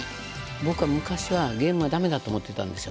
僕昔はゲームはダメだと思ってたんですよ。